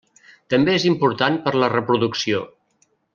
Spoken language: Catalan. També és important per la reproducció.